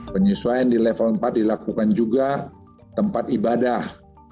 penyesuaian di level empat dilakukan juga tempat ibadah